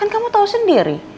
kamu tau sendiri